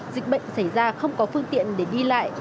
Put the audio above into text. dịch bệnh xảy ra không có phương tiện để đi lại